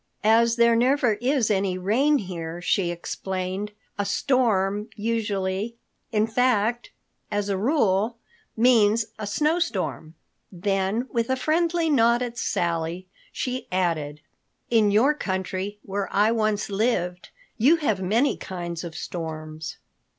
"As there never is any rain here," she explained, "a storm usually—in fact, as a rule—means a snow storm." Then with a friendly nod at Sally, she added, "In your country, where I once lived, you have many kinds of storms."